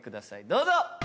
どうぞ！